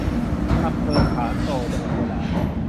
อำเภอธารโต จังหวัดยะลา